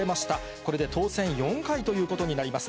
これで当選４回ということになります。